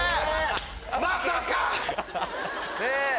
まさか！